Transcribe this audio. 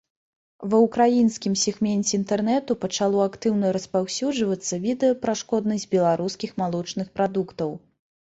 Ва украінскім сегменце інтэрнэту пачало актыўна распаўсюджвацца відэа пра шкоднасць беларускіх малочных прадуктаў.